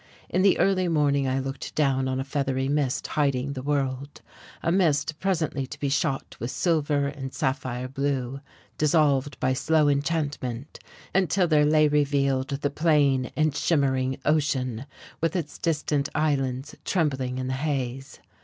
In the early morning I looked down on a feathery mist hiding the world, a mist presently to be shot with silver and sapphire blue, dissolved by slow enchantment until there lay revealed the plain and the shimmering ocean with its distant islands trembling in the haze.